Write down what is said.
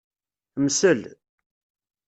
Msel.